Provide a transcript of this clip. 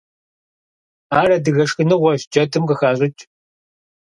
Ар адыгэ шхыныгъуэщ, джэдым къыхащӏыкӏ.